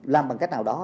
làm bằng cách nào đó